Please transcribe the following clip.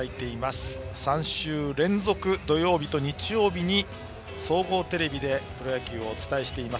３週連続、土曜日と日曜日に総合テレビでプロ野球をお伝えしています。